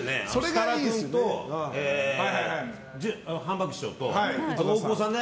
設楽君とハンバーグ師匠と大久保さんね。